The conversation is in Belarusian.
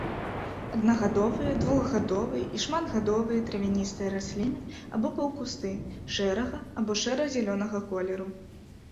Аднагадовыя, двухгадовыя і шматгадовыя травяністыя расліны або паўкусты, шэрага або шэра-зялёнага колеру.